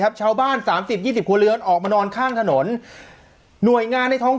ครับชาวบ้าน๓๐๒๐ครัวเรือนออกมานอนข้างถนนหน่วยงานในท้อง